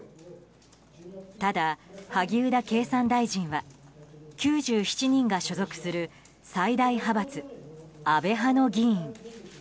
ただ、萩生田経産大臣は９７人が所属する最大派閥安倍派の議員。